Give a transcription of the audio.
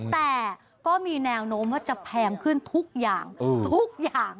แต่ก็มีแนวโน้มว่าจะแพงขึ้นทุกอย่างทุกอย่าง